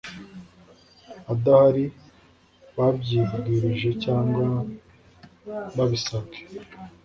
Adahari babyibwirije cyangwa babisabwe